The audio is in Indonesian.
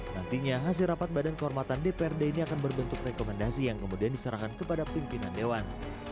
nantinya hasil rapat badan kehormatan dprd ini akan berbentuk rekomendasi yang kemudian diserahkan kepada pimpinan dewan